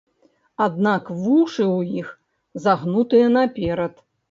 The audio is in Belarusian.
Аднак вушы ў іх загнутыя наперад.